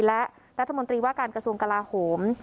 และรัฐมนตรีว่าการกระทรวงกลาโหม